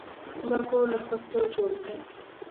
دا کور له خښتو جوړ دی.